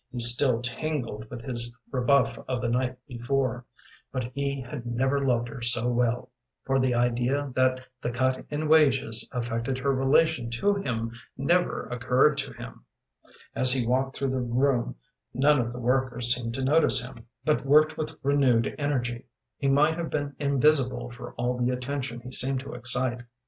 He still tingled with his rebuff of the night before, but he had never loved her so well, for the idea that the cut in wages affected her relation to him never occurred to him. As he walked through the room none of the workers seemed to notice him, but worked with renewed energy. He might have been invisible for all the attention he seemed to excite.